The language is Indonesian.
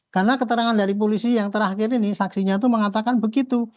karena keterangan dari polisi yang terakhir ini saksinya itu mengatakan begitu